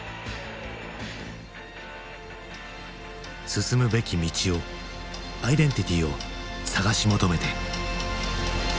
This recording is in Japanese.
進むべき道をアイデンティティーを探し求めて。